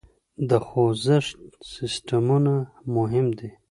د خوزښت سیسټمونه مهم دي.